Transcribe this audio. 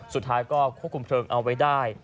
สุดท้ายก็ควบคุมเพลิงเอาไว้ได้